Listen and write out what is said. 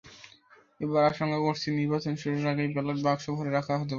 এবার আশঙ্কা করছি, নির্বাচন শুরুর আগেই ব্যালট বাক্স ভরে রাখা হতে পারে।